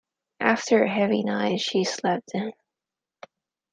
After a heavy night, she slept in.